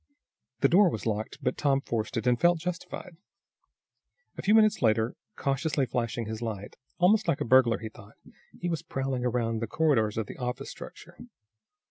The door was locked, but Tom forced it, and felt justified. A few minutes later, cautiously flashing his light, almost like a burglar he thought, he was prowling around the corridors of the office structure.